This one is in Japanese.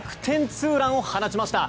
ツーランを放ちました。